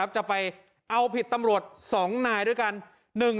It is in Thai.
จะไปเอาผิดตำรวจ๒นายด้วยกัน